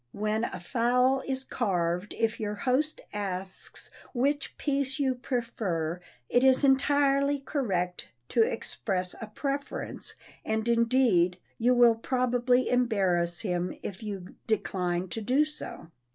When a fowl is carved if your host asks which piece you prefer it is entirely correct to express a preference, and indeed you will probably embarrass him if you decline to do so.